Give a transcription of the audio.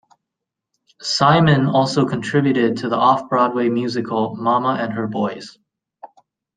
Simon also contributed to the Off-Broadway musical "Mama and Her Boys".